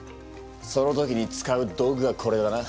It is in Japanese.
その時に使う道具がこれだな。